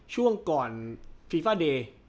ช่วงก่อนฟีฟาเดย์